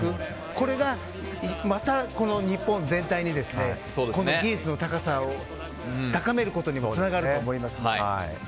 これがまた日本全体にこの技術の高さを高めることにもつながると思いますので。